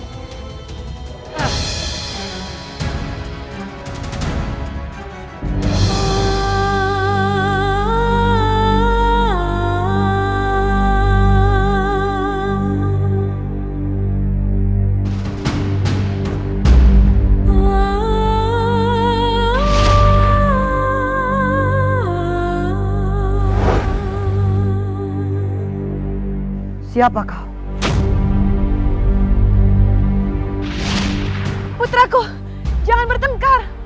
kusi pierab atea